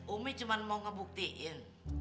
umi cuma mau ngebuktiin